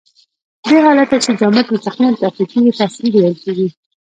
دې حالت ته چې جامد مستقیماً تبخیر کیږي تصعید ویل کیږي.